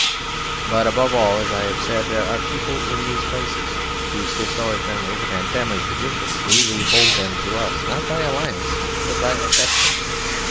But above all, as I have said, there are people in these places whose historic memories and family traditions really hold them to us, not by alliance but by affection.